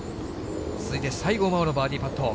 続いて西郷真央のバーディーパット。